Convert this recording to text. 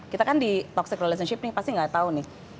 kita kan di toxic relationship nih pasti nggak tahu nih